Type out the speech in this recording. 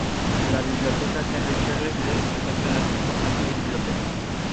La Biblioteca Henry Charles Lea se encuentra en la sexta planta de la biblioteca.